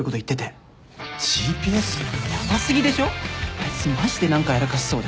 あいつマジで何かやらかしそうで。